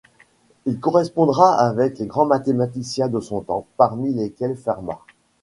Il correspondra avec les grands mathématiciens de son temps, parmi lesquels Fermat.